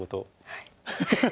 はい。